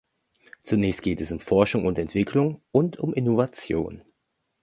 Zunächst geht es um Forschung und Entwicklung und um Innovation.